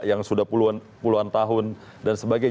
yang sudah puluhan puluhan tahun dan sebagainya